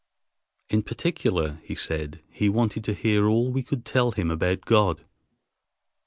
In particular, he said, he wanted to hear all we could tell him about God.